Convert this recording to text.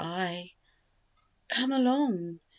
Come along!